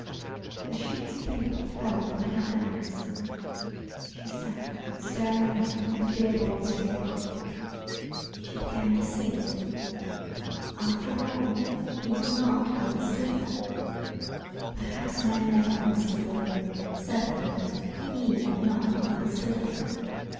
The sheets of paper fell from her hands. She sat staring out into Dearborn Street. She began to see. After all, he had not understood her. Perhaps men never understood women; certainly he had not understood her.